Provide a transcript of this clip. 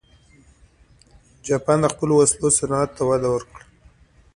جاپان د خپلو وسلو صنعت ته وده ورکړه.